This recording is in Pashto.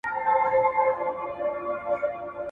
هم مرغان هم څلور بولي یې خوړله